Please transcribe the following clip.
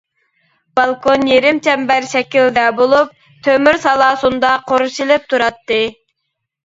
بالكون يېرىم چەمبەر شەكىلدە بولۇپ، تۆمۈر سالاسۇندا قورشىلىپ تۇراتتى.